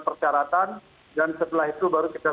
persyaratan dan setelah itu baru kita